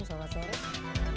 terima kasih atas analisanya